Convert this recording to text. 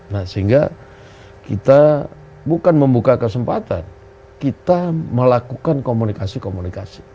nah sehingga kita bukan membuka kesempatan kita melakukan komunikasi komunikasi